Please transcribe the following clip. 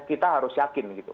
kita harus yakin gitu